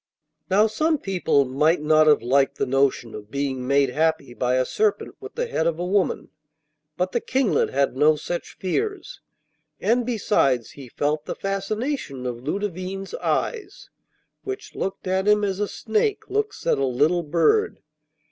Now, some people might not have liked the notion of being made happy by a serpent with the head of a woman, but the Kinglet had no such fears. And, besides, he felt the fascination of Ludovine's eyes, which looked at him as a snake looks at a little bird.